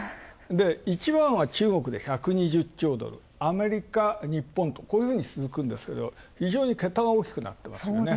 １番は中国で１２０兆ドル、アメリカ、日本、こういうふうに続くんですけど、非常に桁が大きくなってますね。